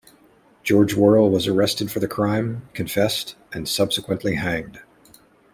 George Worrall was arrested for the crime, confessed, and subsequently hanged.